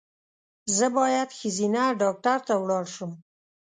زه باید ښځېنه ډاکټر ته ولاړ شم